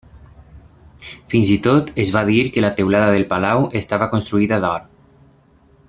Fins i tot es va dir que la teulada del palau estava construïda d'or.